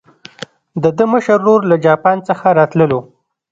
د ده مشر ورور له جاپان څخه راتللو.